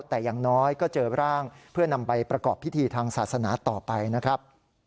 แต่อย่างน้อยก็เจอร่างเพื่อนำไปประกอบพิธีทางศาสนาต่อไปนะครับ